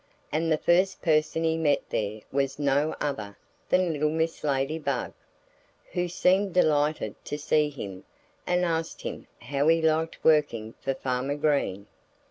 And the first person he met there was no other than little Mrs. Ladybug, who seemed delighted to see him and asked him how he liked working for Farmer Green.